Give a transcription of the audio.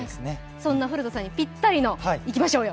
そんな古田さんにぴったりの、いきましょうよ。